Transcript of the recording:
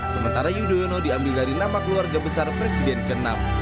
sementara yudhoyono diambil dari nama keluarga besar presiden ke enam